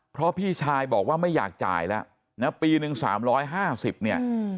เพราะพี่ชายบอกว่าไม่อยากจ่ายแล้วนะปีหนึ่ง๓๕๐เนี่ย